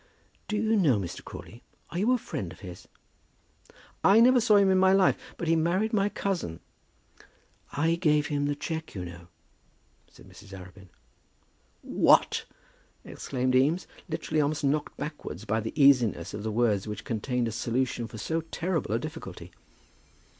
"Do you know Mr. Crawley? Are you a friend of his?" "I never saw him in my life; but he married my cousin." "I gave him the cheque, you know," said Mrs. Arabin. "What!" exclaimed Eames, literally almost knocked backwards by the easiness of the words which contained a solution for so terrible a difficulty.